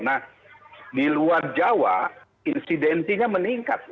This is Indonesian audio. nah di luar jawa insidentinya meningkat